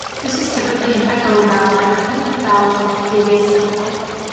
This was typically an "echo" vowel that repeated the vowel of the previous syllable.